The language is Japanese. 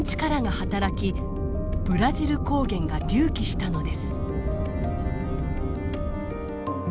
ブラジル高原が隆起したのです。